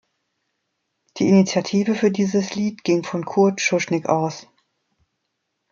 Die Initiative für dieses Lied ging von Kurt Schuschnigg aus.